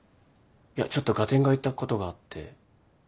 いやちょっと合点がいったことがあって。